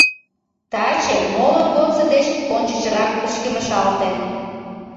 Таче моло годсо деч ончычрак пычкемышалте.